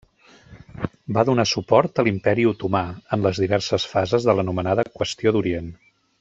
Va donar suport a l'Imperi Otomà en les diverses fases de l'anomenada qüestió d'Orient.